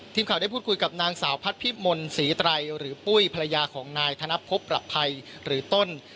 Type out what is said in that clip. ทีมข่าวได้พูดคุยกับหรือต้น